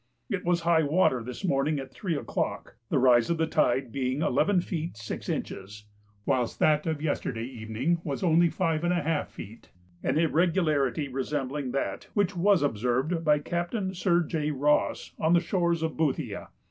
It was high water this morning at 3 o'clock, the rise of the tide being 11 feet 6 inches, whilst that of yesterday evening was only 5½ feet, an irregularity resembling that which was observed by Captain Sir J. Ross on the shores of Boothia.